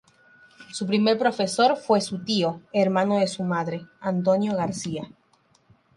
Su primer profesor fue su tío, hermano de su madre, Antonio García.